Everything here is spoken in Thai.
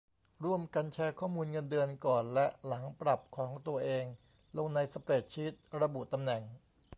ร่วมกันแชร์ข้อมูลเงินเดือนก่อนและหลังปรับของตัวเองลงในสเปรดชีต ระบุตำแหน่ง